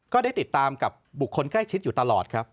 ก็ได้ติดตามกับบุคคลใกล้ชิดอยู่ตลอดครับ